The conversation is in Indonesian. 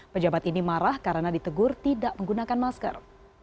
pejabat ini marah karena ditegur tidak menggunakan masker